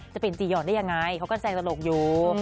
จะเป็นจียอนได้ยังไงเขาก็แซงตลกอยู่